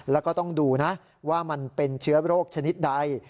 แล้วก็ต้องดูนะว่ามันเป็นเชื้อโรคชนิดใด